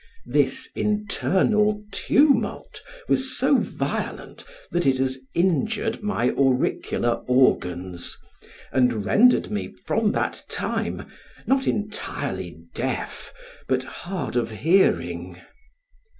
This internal tumult was so violent that it has injured my auricular organs, and rendered me, from that time, not entirely deaf, but hard of hearing.